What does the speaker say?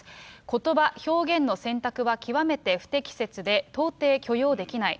ことば、表現の選択は極めて不適切で到底許容できない。